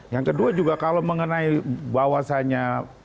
yang kedua juga kalau mengenai bahwasannya